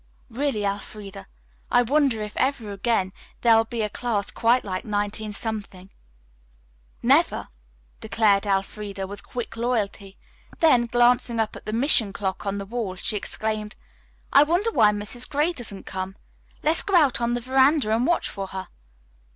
Really, Elfreda, I wonder if, ever again, there will be a class quite like 19 ?" "Never," declared Elfreda with quick loyalty, then, glancing up at the mission clock on the wall, she exclaimed: "I wonder why Mrs. Gray doesn't come! Let's go out on the veranda and watch for her."